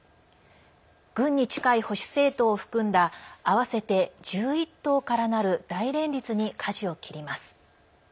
軍に近い保守政党を含んだ合わせて１１党からなる大連立にかじを切ります。